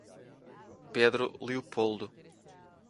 Pedro Leopoldo